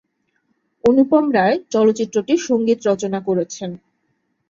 অনুপম রায় চলচ্চিত্রটির সঙ্গীত রচনা করেছেন।